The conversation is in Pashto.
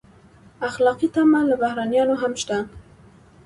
اخلاقي تمه له بهرنیانو هم شته.